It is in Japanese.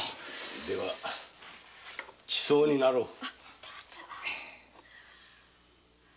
では馳走になろう。